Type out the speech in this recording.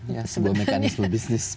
ya sebuah mekanisme bisnis